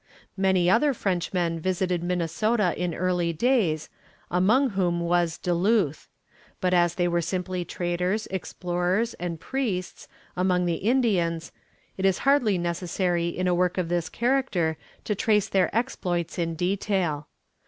Many other Frenchmen visited Minnesota in early days, among whom was Du Luth; but as they were simply traders, explorers and priests, among the Indians, it is hardly necessary in a work of this character to trace their exploits in detail.